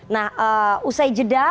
nah usai jeda